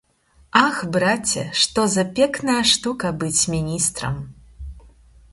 Ах, браце, што за пекная штука быць міністрам!